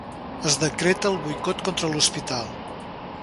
Es decreta el boicot contra l'hospital.